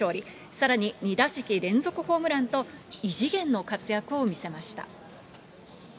さらに２打席連続ホームランと、異次元の活躍を見せました。